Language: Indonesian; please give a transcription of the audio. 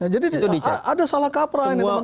jadi ada salah kapra ini teman teman